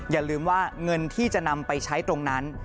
อย่าลืมว่าเงินที่จะนำไปใช้ตรงนั้น